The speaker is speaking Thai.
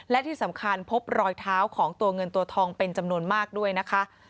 และที่สำคัญพบรอยเท้าของตัวเงินตัวทองเป็นจำนวนมากด้วยนะคะ